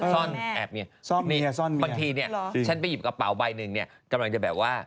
ซ่อนแอบไงบางทีเนี่ยฉันไปหยิบกระเป๋าใบหนึ่งเนี่ยกำลังจะแบบว่า